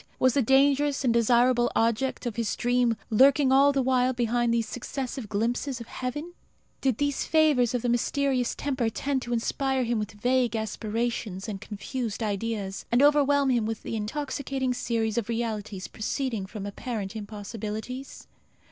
was the dangerous and desirable object of his dream lurking all the while behind these successive glimpses of heaven? Did these favours of the mysterious tempter tend to inspire him with vague aspirations and confused ideas, and overwhelm him with an intoxicating series of realities proceeding from apparent impossibilities?